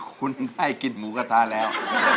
คุณได้กินหมูกระทะแล้ว